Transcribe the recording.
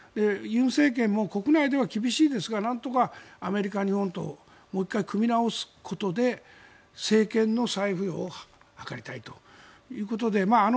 尹政権も国内では厳しいですがなんとかアメリカ、日本ともう１回組み直すことで政権の再浮揚を図りたいということで。